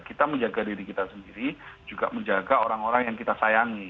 kita menjaga diri kita sendiri juga menjaga orang orang yang kita sayangi